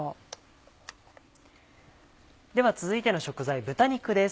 では続いての食材豚肉です。